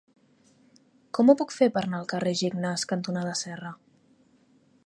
Com ho puc fer per anar al carrer Gignàs cantonada Serra?